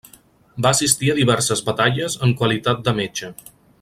Va assistir a diverses batalles en qualitat de metge.